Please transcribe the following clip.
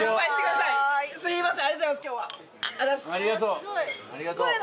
すいません！